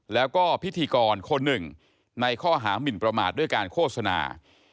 แล้วก็พิธีกรคนหนึ่งในข้อหามินประมาทด้วยการโฆษณา